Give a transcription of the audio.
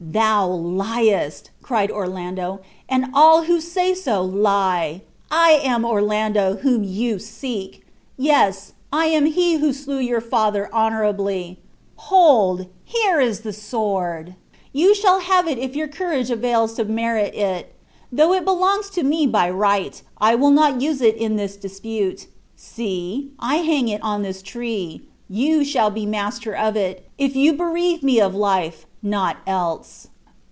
"Thou liest," cried Orlando; "and all who say so lie. I am Orlando, whom you seek; yes, I am he who slew your father honorably. Hold, here is the sword: you shall have it if your courage avails to merit it. Though it belongs to me by right, I will not use it in this dispute. See, I hang it on this tree; you shall be master of it, if you bereave me of life; not else."